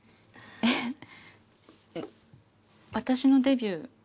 えっ私のデビュー